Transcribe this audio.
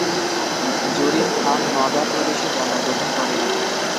জুরিন ফাং নগা প্রদেশে জন্মগ্রহণ করেন।